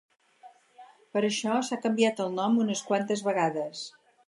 Per això s’ha canviat el nom unes quantes vegades.